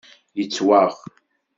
Yettwaɣ?